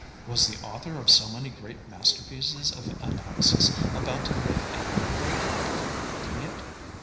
Was the author of so many great masterpieces of analysis about to live a new book before writing it?